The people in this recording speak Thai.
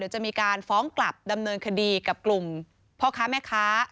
จะมีการฟ้องกลับดำเนินคดีกับกลุ่มพ่อค้าแม่ค้า